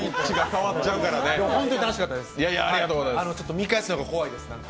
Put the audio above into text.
見返すのが怖いです。